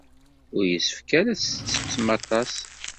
Ur yessefk ara ad tettettem aṭas.